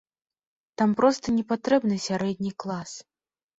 Там проста не патрэбны сярэдні клас.